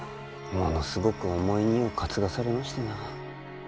ものすごく重い荷を担がされましてな。